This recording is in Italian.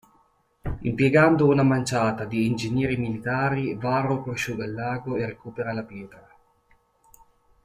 Impiegando una manciata di ingegneri militari, Varro prosciuga il lago e recupera la pietra.